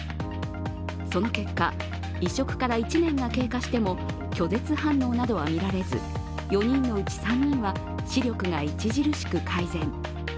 その結果移植から１年が経過しても拒絶反応などは見られず、４人のうち３人は視力が著しく改善。